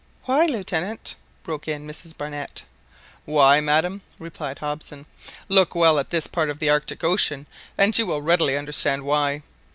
"Why, Lieutenant?" broke in Mrs Barnett. "Why, madam?" replied Hobson; "look well at this part of the Arctic Ocean, and you will readily understand why.